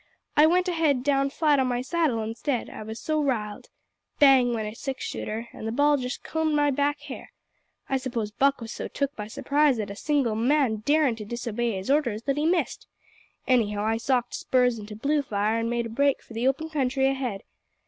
I went head down flat on my saddle instead, I was so riled. Bang went a six shooter, an' the ball just combed my back hair. I suppose Buck was so took by surprise at a single man darin' to disobey his orders that he missed. Anyhow I socked spurs into Bluefire, an' made a break for the open country ahead.